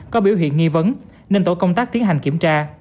có biểu hiện nghi vấn nên tổ công tác tiến hành kiểm tra